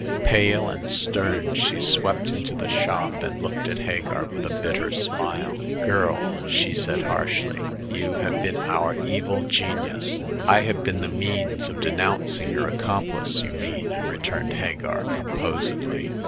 Pale and stern, she swept into the shop, and looked at Hagar with a bitter smile. Girl !" she said, harshly, " you have been our evil genius !"" I have been the means of denouncing your accomplice, [you mean,'' returned Hagar, com posedly.